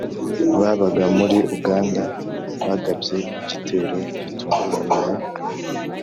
babaga muri uganda bagabye igitero gitunguranye mu